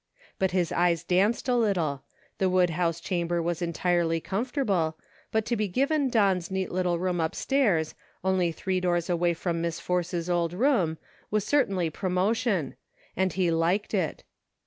But his eyes danced a little ; the wood house chamber was entirely com fortable ; but to be given Don's neat little room upstairs, only three doors away from Miss Force's old room, was certainly promotion ; and he liked it.